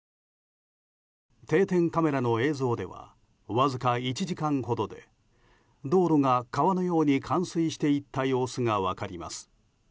定点カメラの映像ではわずか１時間ほどで道路が川のように冠水していった様子が分かります。